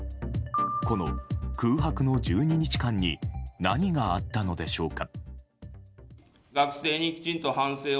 この空白の１２日間に何があったのでしょうか。